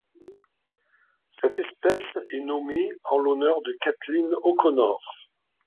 Cette espèce est nommée en l'honneur de Kathleen O'Connor.